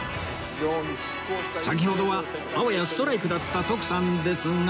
先ほどはあわやストライクだった徳さんですが